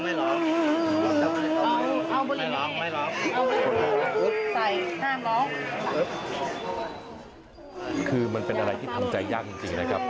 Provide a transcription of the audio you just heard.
คือมันเป็นอะไรที่ทำใจยากจริงนะครับ